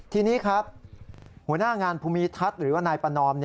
ทีนี้ครับหัวหน้างานภูมิทัศน์หรือว่านายประนอม